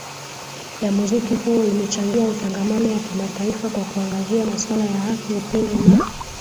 ya muziki huo imechangia utangamano wa kimataifa kwa kuangazia masuala ya haki upendo na